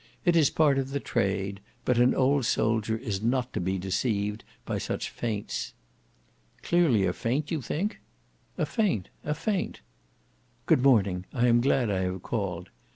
It is part of the trade; but an old soldier is not to be deceived by such feints." "Clearly a feint, you think?" "A feint! a feint." "Good morning. I am glad I have called.